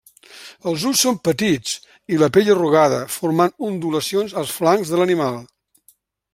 Els ulls són petits i la pell arrugada, formant ondulacions als flancs de l'animal.